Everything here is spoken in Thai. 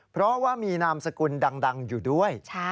เพราะว่ามีนามสกุลดังอยู่ด้วย